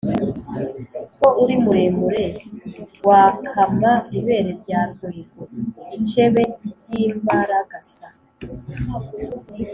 Ko uri muremure wakama ibere rya Rwego ?-Icebe ry'imbaragasa.